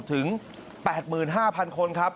ถึง๘๕๐๐๐คนครับ๙๐๐๐๐คนนะครับ